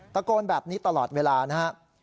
ตะโกนแบบนี้ตลอดเวลานะครับ